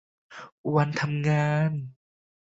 วันทำงาน